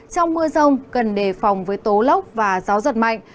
trong mưa rông cần đề phòng với tố lốc và gió giật mạnh